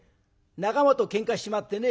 仲間とケンカしちまってね